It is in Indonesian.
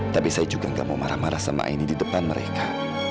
tapi saya juga gak mau marah marah sama aini di depan mereka